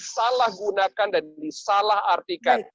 salah gunakan dan disalah artikan